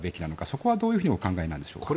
そこはどういうふうにお考えなのでしょうか。